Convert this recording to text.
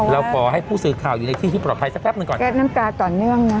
เราขอให้ผู้สื่อข่าวอยู่ในที่ที่ปลอดภัยสักแป๊บหนึ่งก่อน